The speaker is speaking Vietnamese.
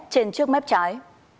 trên trước mép trái